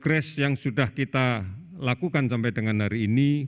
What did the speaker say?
proses yang sudah kita lakukan sampai dengan hari ini